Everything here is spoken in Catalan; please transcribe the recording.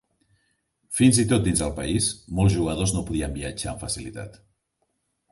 Fins i tot dins el país, molts jugadors no podien viatjar amb facilitat.